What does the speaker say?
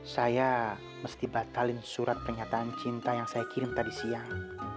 saya mesti batalin surat pernyataan cinta yang saya kirim tadi siang